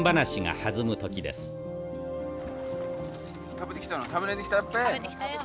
食べてきたの？